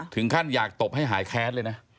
ถึงขั้นอยากตบให้หายแค้นเลยนะ